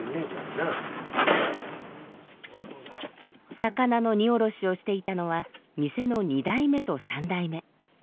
魚の荷降ろしをしていたのは店の２代目と３代目。